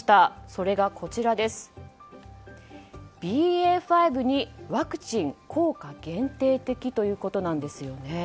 それがＢＡ．５にワクチン効果限定的ということです。